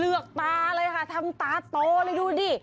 เลือกตาเลยค่ะทำตาโตเลยดูดิ